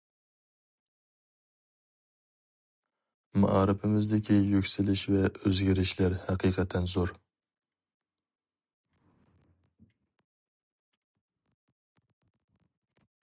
مائارىپىمىزدىكى يۈكسىلىش ۋە ئۆزگىرىشلەر ھەقىقەتەن زور.